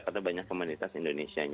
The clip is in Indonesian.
karena banyak komunitas indonesia